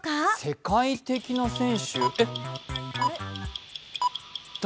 世界的な選手誰？